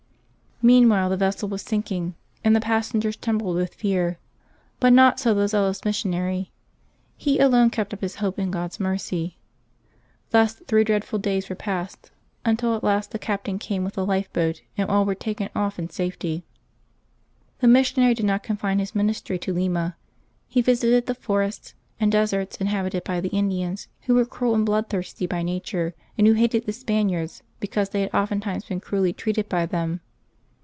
Meanwhile the vessel was sinking, and the passengers trembled with fear ; but not so the zealous mis sionary. He alone kept up his hope in God's mercy. Thus three dreadful days were passed, until at last the captain came with the life boat and all were taken off in safety. The missionary did not confine his ministry to Lima. He visited the forests and deserts inhabited by the Indians, who were cruel and bloodthirsty by nature, and who hated the Spaniards because they had oftentimes been cruelly treated by them.